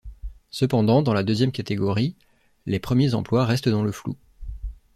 Cependant, dans la deuxième catégorie, les premiers emplois restent dans le flou.